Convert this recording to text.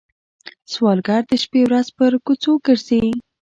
سوالګر د شپه ورځ پر کوڅو ګرځي